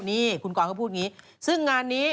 นี่คุณกรก็พูดอย่างนี้ซึ่งงานนี้